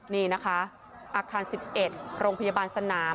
นี่นะคะอาคาร๑๑โรงพยาบาลสนาม